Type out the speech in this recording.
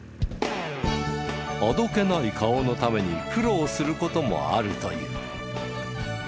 あどけない顔のために苦労する事もあるという。